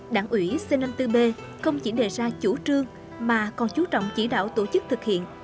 đảng ủy c năm mươi bốn b không chỉ đề ra chủ trương mà còn chú trọng chỉ đạo tổ chức thực hiện